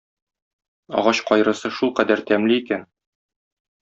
Агач кайрысы шулкадәр тәмле икән.